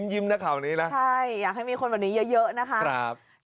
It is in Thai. ยิ้มนะข่าวนี้นะใช่อยากให้มีคนแบบนี้เยอะนะคะ